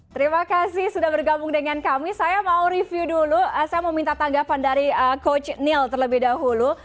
terima kasih sudah bergabung dengan kami saya mau review dulu saya mau minta tanggapan dari coach neil terlebih dahulu